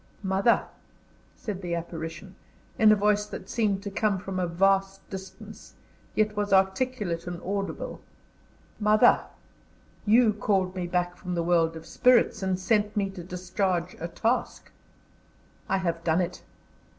"Mother," said the apparition, in a voice that seemed to come from a vast distance, yet was articulate and audible "Mother, you called me back from the world of spirits, and sent me to discharge a task. I have done it.